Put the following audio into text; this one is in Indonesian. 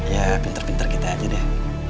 ya pinter pinter kita aja deh